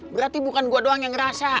berarti bukan gue doang yang ngerasa